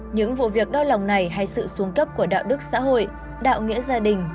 những vụ việc đau lòng này hay sự xuống cấp của đạo đức xã hội đạo nghĩa gia đình